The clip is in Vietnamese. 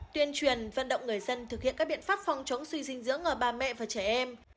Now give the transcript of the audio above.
tuyên truyền vận động người dân thực hiện các biện pháp phòng chống suy dinh dưỡng ở bà mẹ và trẻ em